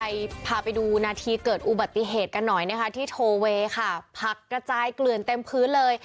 พาไปดูนาทีเกิดอุบัติเหตุกันหน่อยนะคะที่โทเวค่ะผักกระจายเกลือนเต็มพื้นเลย